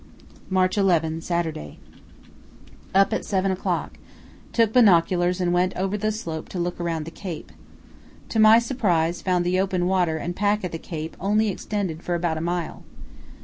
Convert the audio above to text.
"March 11, Saturday.—Up at 7 o'clock; took binoculars and went over the slope to look around the Cape. To my surprise found the open water and pack at the Cape only extended for about a mile.